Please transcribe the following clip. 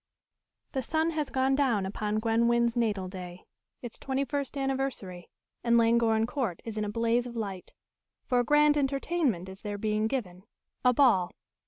The sun has gone down upon Gwen Wynn's natal day its twenty first anniversary and Llangorren Court is in a blaze of light. For a grand entertainment is there being given a ball.